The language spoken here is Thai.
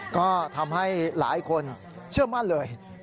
ก็ทำให้หลายคนเชื่อมั่นเลย